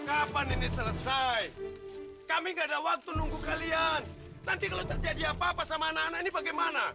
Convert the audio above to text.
kapan ini selesai kami enggak ada waktu nunggu kalian nanti kalau terjadi apa apa sama anak anak ini bagaimana